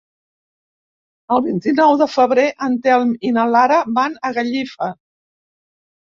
El vint-i-nou de febrer en Telm i na Laura van a Gallifa.